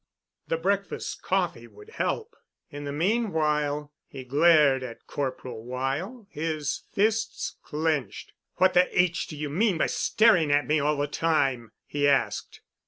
The breakfast coffee would help. In the meanwhile—he glared at Corporal Weyl, his fists clenched. "What the H—— do you mean by staring at me all the time?" he asked.